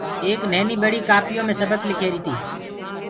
ايڪ نهيني ٻڙي ڪآپيو مي سبڪُ لک ريهريٚ تيٚ